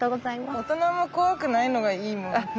大人も怖くないのがいいもんね。